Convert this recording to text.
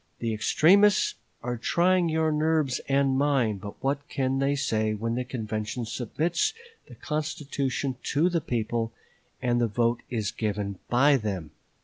The extremists are trying your nerves and mine, but what can they say when the convention submits the constitution to the people and the vote is given by them?